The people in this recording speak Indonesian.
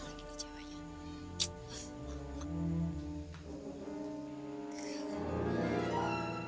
apa lagi nih ceweknya